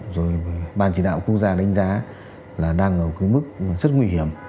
rồi bàn chỉ đạo quốc gia đánh giá là đang ở một cái mức rất nguy hiểm